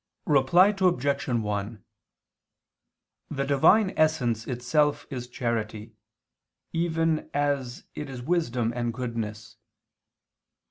Reply Obj. 1: The Divine Essence Itself is charity, even as It is wisdom and goodness.